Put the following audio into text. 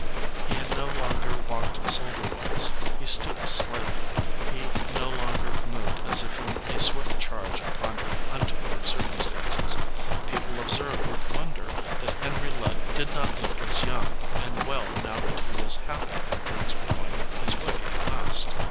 He no longer walked soldier wise. He stooped slightly. He no longer moved as if in a swift charge upon untoward cir cumstances. People observed with wonder that Henry Ludd did not look as young and well now that he was happy and things were going his way at last.